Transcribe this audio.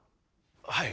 はい。